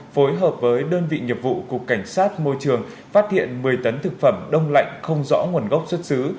phối hợp với đơn vị nghiệp vụ cục cảnh sát môi trường phát hiện một mươi tấn thực phẩm đông lạnh không rõ nguồn gốc xuất xứ